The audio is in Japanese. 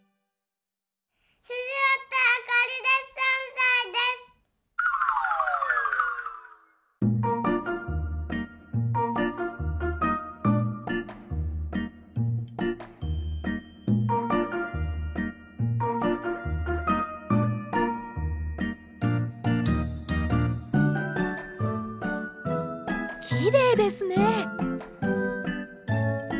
きれいですね。